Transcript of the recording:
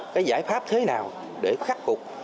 cái giải pháp thế nào để khắc phục